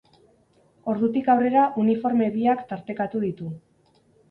Ordutik aurrera uniforme biak tartekatu ditu.